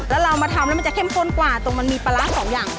แล้วเรามาทำแล้วมันจะเข้มข้นกว่าตรงมันมีปลาร้าสองอย่าง